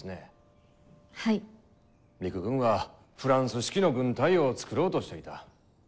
陸軍はフランス式の軍隊を作ろうとしていた。